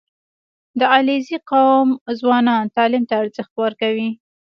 • د علیزي قوم ځوانان تعلیم ته ارزښت ورکوي.